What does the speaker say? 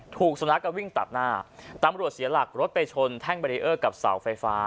ถูกสุนัขก็วิ่งตัดหน้าตำรวจเสียหลักรถไปชนแท่งเบรีเออร์กับเสาไฟฟ้า